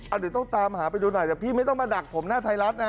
เดี๋ยวต้องตามหาไปดูหน่อยแต่พี่ไม่ต้องมาดักผมหน้าไทยรัฐนะ